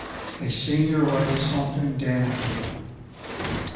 A senior writes something down.